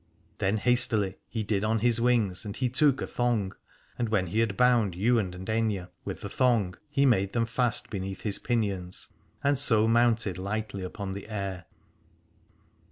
Then hastily he did on his wings, and he took a thong, and when he had bound Ywain and Aithne with the thong he made them fast beneath his pinions, and so mounted lightly upon the air.